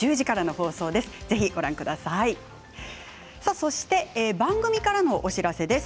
そして番組からのお知らせです。